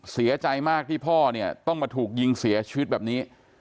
เสียใจมากที่พ่อเนี่ยต้องมาถูกยิงเสียชีวิตแบบนี้